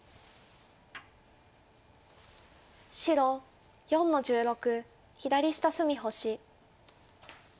白４の十六左下隅星。